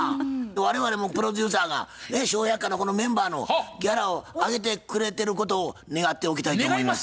我々もプロデューサーが「笑百科」のこのメンバーのギャラを上げてくれてることを願っておきたいと思います。